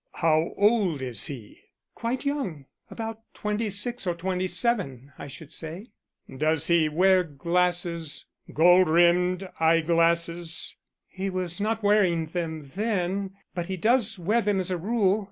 "How old is he?" "Quite young about 26 or 27, I should say." "Does he wear glasses gold rimmed eye glasses?" "He was not wearing them then, but he does wear them as a rule.